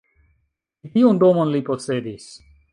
Ĉi tiun domon li posedis.